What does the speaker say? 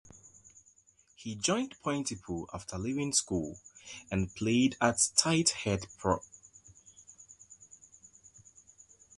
He joined Pontypool after leaving school, and played at tight-head prop.